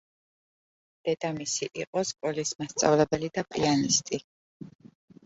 დედამისი იყო სკოლის მასწავლებელი და პიანისტი.